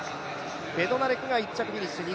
ベドナレクが１着フィニッシュ。